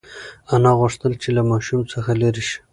انا غوښتل چې له ماشوم څخه لرې شي.